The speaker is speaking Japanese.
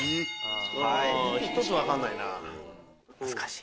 あぁ１つ分かんないな。